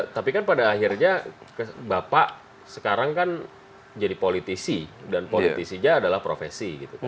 tapi kan pada akhirnya bapak sekarang kan jadi politisi dan politisinya adalah profesi gitu